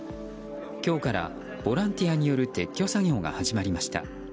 今日からボランティアによる撤去作業が始まりました。